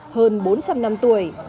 hơn bốn trăm linh năm tuổi